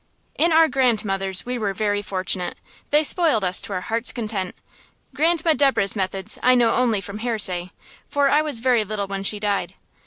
In our grandmothers we were very fortunate: They spoiled us to our hearts' content. Grandma Deborah's methods I know only from hearsay, for I was very little when she died.